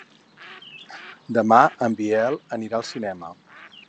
Demà en Biel anirà al cinema.